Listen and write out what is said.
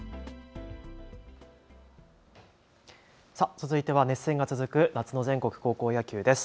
続いては熱戦が続く夏の全国高校野球です。